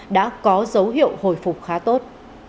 đã có dấu hiệu hồi phục khá tốt